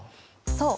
そう。